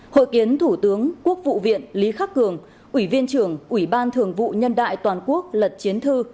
hội kiến thủ tướng quốc vụ viện lý khắc cường ủy viên trưởng ủy ban thường vụ nhân đại toàn quốc lật chiến thư